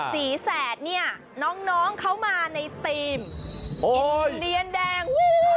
สีแสดนี่น้องเขามาในธีมอินเดียนแดง